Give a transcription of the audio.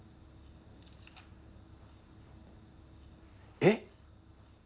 えっ？